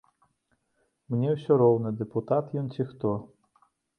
Мне ўсё роўна, дэпутат ён ці хто.